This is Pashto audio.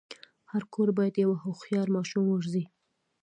هر کور باید یو هوښیار ماشوم وروزي.